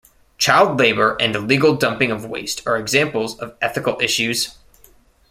Child labour and illegal dumping of waste are examples of ethical issues.